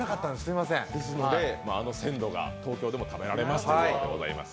ですので、あの鮮度が東京でも食べられますということです。